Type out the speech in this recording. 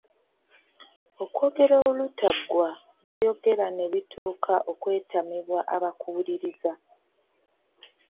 Okwogera olutaggwa byoyogera ne bituuka okwetamibwa abakuwuliriza.